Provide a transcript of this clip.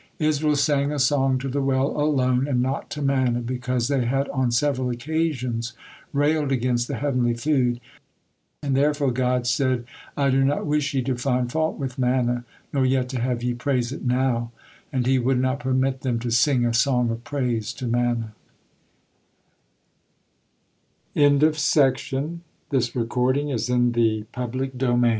Israel sang a song to the well alone, and not to manna, because they had on several occasions railed against the heavenly food, and therefore God said: "I do not wish ye to find fault with manna, nor yet to have ye praise it now," and He would not permit them to sing a song of praise t